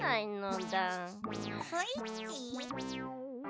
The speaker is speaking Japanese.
スイッチ？